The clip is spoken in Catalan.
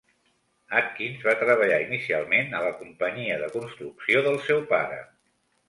Atkins va treballar inicialment a la companyia de construcció del seu pare.